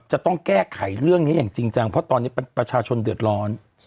จะต้องแก้ไขเรื่องนี้อย่างจริงจังเพราะตอนนี้ประชาชนเดือดร้อน